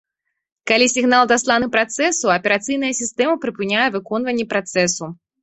Калі сігнал дасланы працэсу, аперацыйная сістэма прыпыняе выконванне працэсу.